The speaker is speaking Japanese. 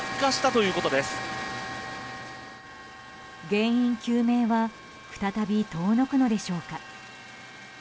原因究明は再び遠のくのでしょうか。